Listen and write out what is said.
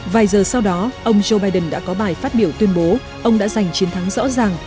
vài giờ sau đó ông joe biden đã có bài phát biểu tuyên bố ông đã giành chiến thắng rõ ràng